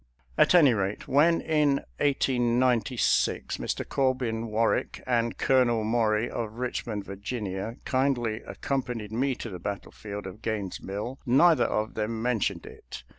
At any rate, when in 1896 Mr. Corbin Warwick and Colonel Maury of Eichmond, Virginia, kindly accompanied me to the battlefield of Gaines' Mill, neither of them mentioned it.